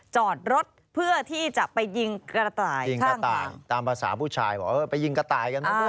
จอดรถเพื่อที่จะไปยิงก๋าตายข้างถ้าง